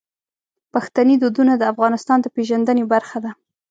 پښتني دودونه د افغانستان د پیژندنې برخه دي.